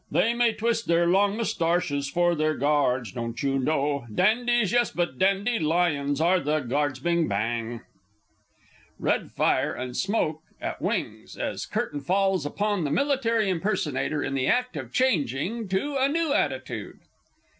They may twist their long moustarches, For they're Guards! Doncher know? Dandies? yes, but dandy lions are the Guards! Bing Bang! [_Red fire and smoke at wings, as curtain falls upon the Military Impersonator in the act of changing to a new attitude.